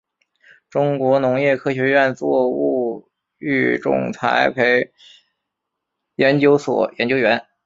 中国农业科学院作物育种栽培研究所研究员。